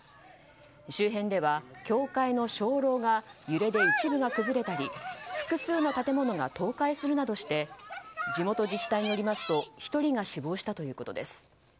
周辺では教会の鐘楼が揺れで一部が崩れたり複数の建物が倒壊するなどして地元自治体によりますと１人が死亡したということです。